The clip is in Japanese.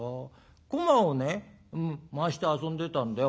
こまをね回して遊んでたんだよ。